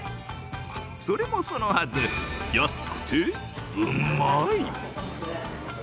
それもそのはず、安くてうまい！